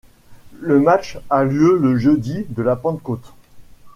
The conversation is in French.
Le match a lieu le jeudi de la Pentecôte.